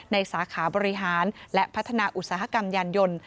สาขาบริหารและพัฒนาอุตสาหกรรมยานยนต์